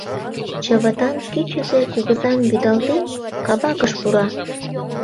Чывытан, кӱчызӧ кугызам вӱдалтен, кабакыш пура.